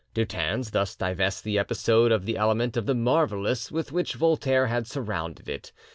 Dutens thus divests the episode of the element of the marvellous with which Voltaire had surrounded it.